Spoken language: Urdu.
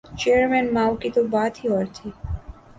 چیئرمین ماؤ کی تو بات ہی اور تھی۔